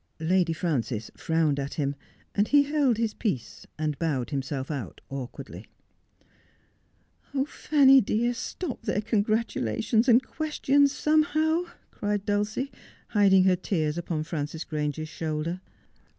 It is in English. Lady Frances frowned at him, and he held his peace, and bowed himself out awkwardly. ' Fanny dear, stop their congratulations and questions some how,' cried Dulcie, hiding her tears upon Frances Grange's shoulder.